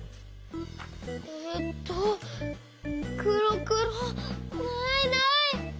えっとくろくろないない！